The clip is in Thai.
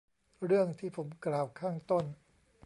เรื่องที่ผมกล่าวข้างต้น